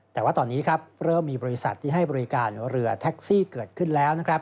แต่ว่าตอนนี้ครับเริ่มมีบริษัทที่ให้บริการเรือแท็กซี่เกิดขึ้นแล้วนะครับ